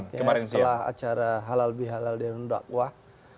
tepatnya setelah acara halal bi halal dan undak wah